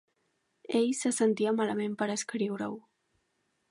Ell se sentia malament per escriure-ho.